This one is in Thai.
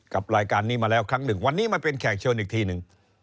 กับรายการนี้มาแล้วครั้งหนึ่งวันนี้มาเป็นแขกเชิญอีกทีหนึ่ง